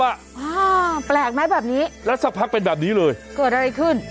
อ่าแปลกไหมแบบนี้แล้วสักพักเป็นแบบนี้เลยเกิดอะไรขึ้น